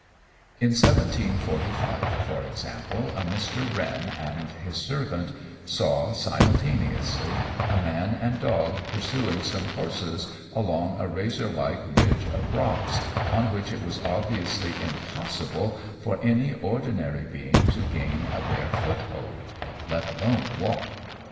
In 1745, for example, a Mr. Wren and his servant saw, simultaneously, a man and dog pursuing some horses along a razor like ridge of rocks, on which it was obviously impossible for any ordinary being to gain a bare foothold, let alone walk.